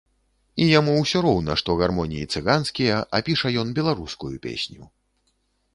І яму ўсё роўна, што гармоніі цыганскія, а піша ён беларускую песню.